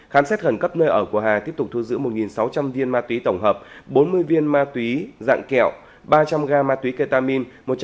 khám xét khẩn cấp nơi ở của hà tiếp tục thu giữ một sáu trăm linh viên ma túy tổng hợp bốn mươi viên ma túy dạng kẹo ba trăm linh gram ma túy ketamine